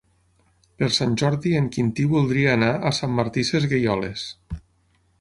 Per Sant Jordi en Quintí voldria anar a Sant Martí Sesgueioles.